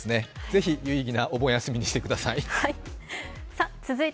ぜひ有意義なお盆休みにしてください。